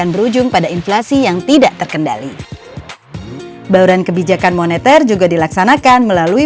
berujung pada inflasi yang tidak terkendali bauran kebijakan moneter juga dilaksanakan melalui